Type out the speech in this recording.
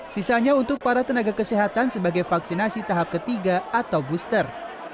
sisanya untuk para tenaga kesehatan sebagai vaksinasi tahap ketiga atau booster